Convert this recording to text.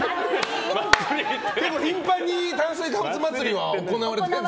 でも頻繁に炭水化物祭りは行われてます。